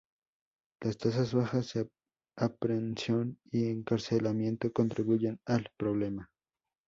Las tasas bajas de aprehensión y encarcelamiento contribuyen al problema.